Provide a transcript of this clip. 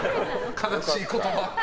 悲しい言葉！